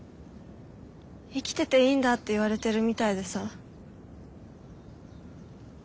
生きてていいんだって言われてるみたいでさ。